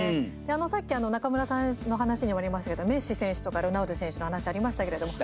さっき、中村さんの話にありましたけどメッシ選手とかロナウド選手の話ありましたけれども。